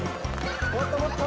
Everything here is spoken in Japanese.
もっともっと！